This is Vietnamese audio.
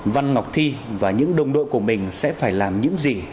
văn ngọc thi và những đồng đội của mình sẽ phải làm những gì